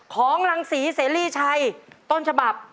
ของรังศรีเสรีชัยต้นฉบับ